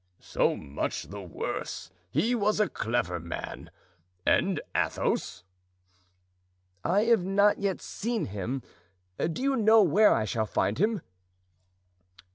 "So much the worse! He was a clever man. And Athos?" "I have not yet seen him. Do you know where I shall find him?"